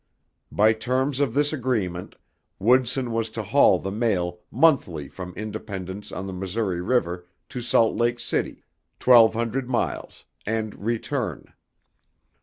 By terms of this agreement, Woodson was to haul the mail monthly from Independence on the Missouri River to Salt Lake City, twelve hundred miles, and return.